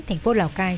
thành phố lào cai